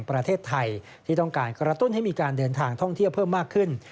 ประตุ้นให้มีการเดินทางท่องเที่ยวเพิ่มมากขึ้น